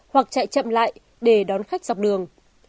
hoặc chạy chậm lại để đón khách dọc đường